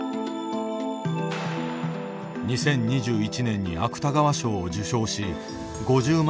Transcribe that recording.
２０２１年に芥川賞を受賞し５０万